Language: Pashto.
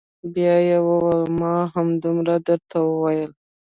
بيا يې وويل ما همدومره درته وويل.